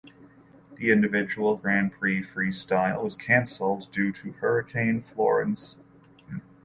The Individual Grand Prix Freestyle was cancelled due to Hurricane Florence.